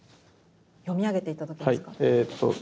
読み上げて頂けますか。